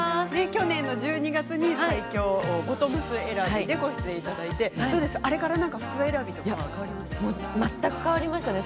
去年の１２月に最強のボトムス選びでご出演いただいてあれから服選びとか全く変わりましたね。